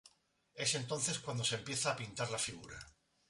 Es entonces cuando se empieza a pintar la figura.